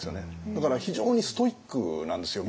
だから非常にストイックなんですよ